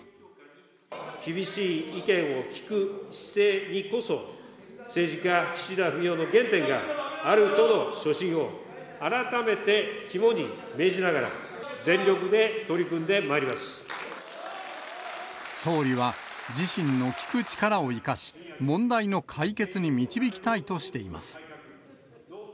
厳しい意見を聞く姿勢にこそ、政治家、岸田文雄の原点があるとの初心を改めて肝に銘じながら、全力で取総理は、自身の聞く力を生かし、問題の解決に導きたいとしています。